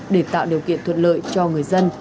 để tạo điều kiện thuận lợi cho người dân